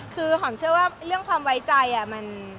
คือหอมเชื่อว่าเรื่องความไว้ใจมัน